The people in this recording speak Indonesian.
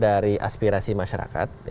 dari aspirasi masyarakat